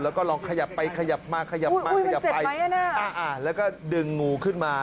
แล้วก็ลองขยับไปขยับมาขยับมาขยับไปแล้วก็ดึงงูขึ้นมา